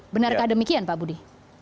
benarkah demikian pak budi